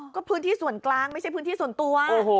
ก็พื้นที่ส่วนกลางไม่ใช่พื้นที่ส่วนตัว